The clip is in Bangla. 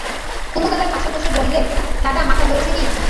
কুমু দাদার পাশে বসে বললে, দাদা, মাথা ধরেছে কি?